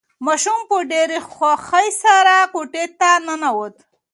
ماشوم په ډېرې خوښۍ سره کوټې ته ننوت.